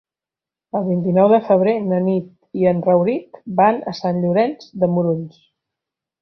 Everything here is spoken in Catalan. El vint-i-nou de febrer na Nit i en Rauric van a Sant Llorenç de Morunys.